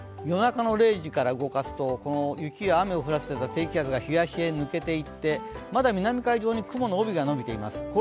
夜中の０時から動かしますとこの雪や雨を降らせていた低気圧が東へ抜けていってまだ南海上に雲の帯が伸びています。